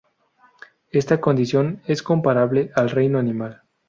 Esta condición es comparable al reino animal.